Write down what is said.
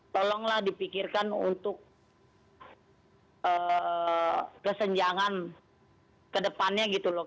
tolonglah dipikirkan untuk kesenjangan ke depannya gitu loh